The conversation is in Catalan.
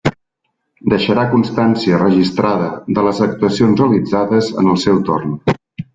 Deixarà constància registrada de les actuacions realitzades en el seu torn.